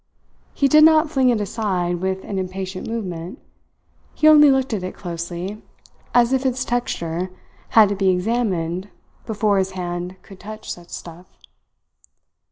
He did not fling it aside with an impatient movement; he only looked at it closely, as if its texture had to be examined before his hand could touch such stuff.